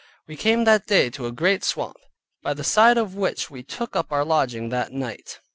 We came that day to a great swamp, by the side of which we took up our lodging that night.